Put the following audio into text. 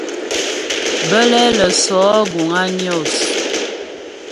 Bə́lɛ lə́ sɔ̌ guŋ á Nyos.